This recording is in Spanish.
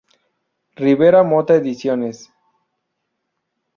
Rivera Mota Ediciones.